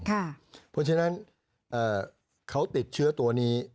เพราะฉะนั้นเขาติดเชื้อตัวนี้